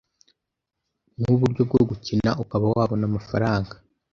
nk’uburyo bwo gukina ukaba wabona amafaranga